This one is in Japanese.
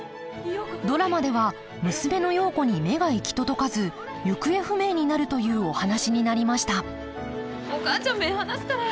ドラマでは娘の陽子に目が行き届かず行方不明になるというお話になりましたお母ちゃん目ぇ離すからや。